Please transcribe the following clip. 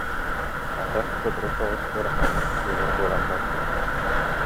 Ата сотору соҕус ыараханнык тыынар буолан барда